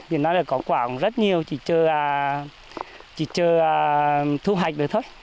hiện nay có quả cũng rất nhiều chỉ chờ thu hạch được thôi